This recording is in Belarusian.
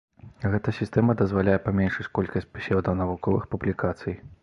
Гэта сістэма дазваляе паменшыць колькасць псеўданавуковых публікацый.